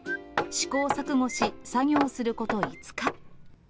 試行錯誤し、作業すること５日。